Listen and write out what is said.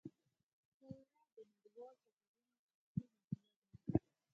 طیاره د نړیوالو سفرونو اصلي وسیله ده.